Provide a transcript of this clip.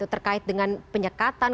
terkait dengan penyekatan